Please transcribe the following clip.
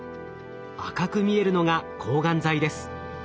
赤く見えるのが抗がん剤です。